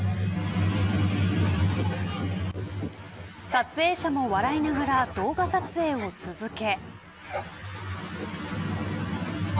撮影者も笑いながら動画撮影を続け。